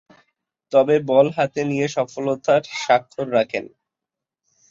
তবে, বল হাতে নিয়ে সফলতার স্বাক্ষর রাখেন।